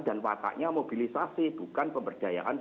dan wataknya mobilisasi bukan pemberdayaan